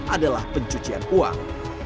adalah pencucian uang